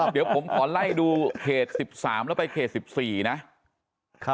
เดี๋ยวผมขอไล่ดูเขต๑๓แล้วไปเขต๑๔นะ